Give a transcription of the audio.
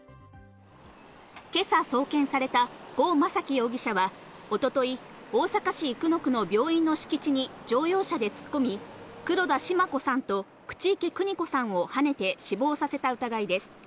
今朝送検された呉昌樹容疑者は一昨日、大阪市生野区の病院の敷地に乗用車で突っ込み、黒田シマ子さんと口池邦子さんをはねて死亡させた疑いです。